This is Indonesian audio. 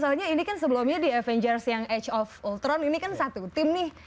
soalnya ini kan sebelumnya di avengers yang age of ultron ini kan satu tim nih